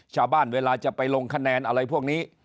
เวลาจะไปลงคะแนนอะไรพวกนี้